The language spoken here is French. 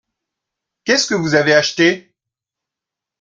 Qu’est-ce que vous avez acheté ?